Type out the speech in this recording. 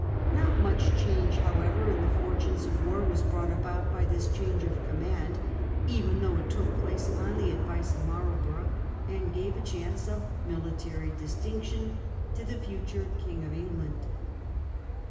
Not much change, however, in the fortunes of the war was brought about by this change of com mand, even though it took place on the advice of Marl borough, and gave a chance of military distinction to the future King of England.